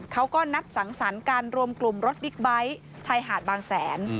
เขาก็นัดสังสรรค์การรวมกลุ่มรถบิ๊กไบท์ชายหาดบางแสน